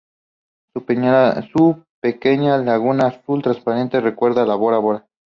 Su pequeña laguna azul transparente recuerda de Bora Bora.